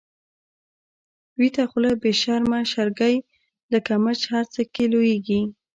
ويته خوله بی شرمه شرګی، لکه مچ هر څه کی لويږی